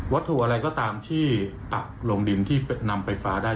ถุอะไรก็ตามที่ปักลงดินที่นำไฟฟ้าได้